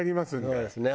そうですね